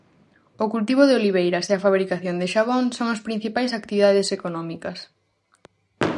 O cultivo de oliveiras e a fabricación de xabón son as principais actividades económicas.